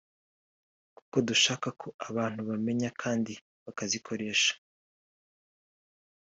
kuko dushaka ko abantu bamenya kandi bakazikoresha